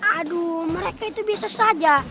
aduh mereka itu biasa saja